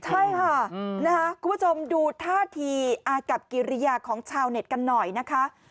ใช่ค่ะคุณผู้ชมดูท่าทีอากับกิริยาของชาวเน็ตกันหน่อยนะคะ